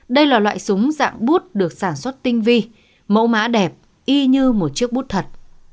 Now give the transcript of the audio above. đây là loại súng dạng bút được sản xuất tinh vi mẫu mã đẹp y như một chiếc bút thật